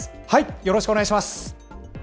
よろしくお願いします。